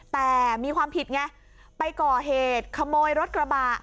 แต่มีความผิดไงไปก่อเหตุขโมยรถกระบะ